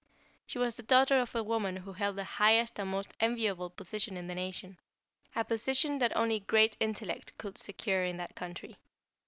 She was the daughter of the woman who held the highest and most enviable position in the Nation. A position that only great intellect could secure in that country.